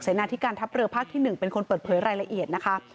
หน้าที่การทัพเรือภาคที่๑เป็นคนเปิดเผยรายละเอียดนะคะ